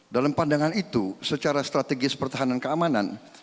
dalam pandangan itu secara strategis pertahanan keamanan